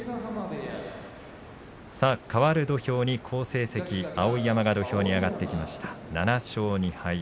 かわる土俵は好成績、碧山が土俵に上がってきました７勝２敗。